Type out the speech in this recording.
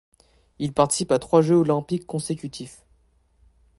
Il participe à trois Jeux olympiques consécutifs.